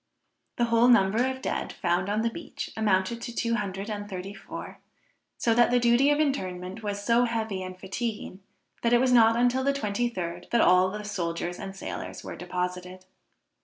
The whole number of dead found on the beach, amounted to two hundred and thirty four; so that the duty of interment was so heavy and fatiguing, that it was not until the twenty third that all the soldiers and sailors were deposited.